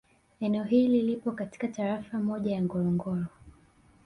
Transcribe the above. Eneo hili lipo katika Tarafa moja ya Ngorongoro